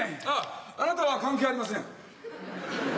あっあなたは関係ありません。